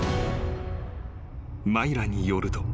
［マイラによると］